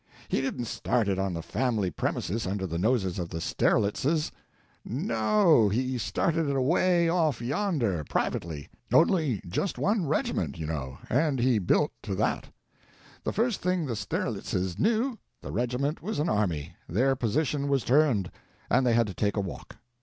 He didn't start it on the family premises under the noses of the Strelitzes; no, he started it away off yonder, privately,—only just one regiment, you know, and he built to that. The first thing the Strelitzes knew, the regiment was an army, their position was turned, and they had to take a walk.